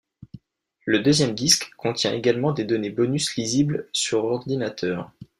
Le deuxième disque contient également des données bonus lisibles sur ordinateur.